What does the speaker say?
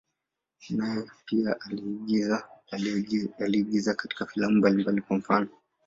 Naye pia aliigiza katika filamu mbalimbali, kwa mfano.